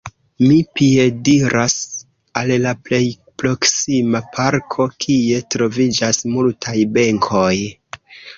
Mi piediras al la plej proksima parko, kie troviĝas multaj benkoj.